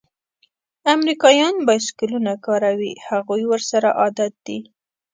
امریکایان بایسکلونه کاروي؟ هغوی ورسره عادي دي.